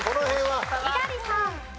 猪狩さん。